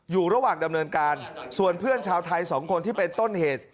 อยู่ระหว่างดำเนินการส่วนเพื่อนชาวไทยสองคนที่เป็นต้นเหตุ